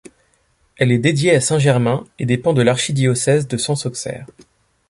Elle est dédiée à saint Germain et dépend de l'archidiocèse de Sens-Auxerre.